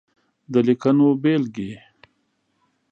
د ليکنو بېلګې :